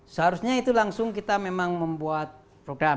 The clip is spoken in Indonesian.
seharusnya itu langsung kita memang membuat program